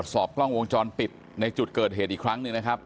สอบกล้องวงจรปิดในจุดเกิดเหตุอีกครั้งหนึ่งนะครับ